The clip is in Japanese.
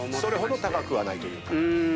それほど高くはないというか。